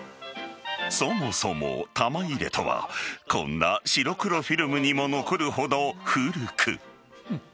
そもそも玉入れとはこんな白黒フィルムにも残るほど古く。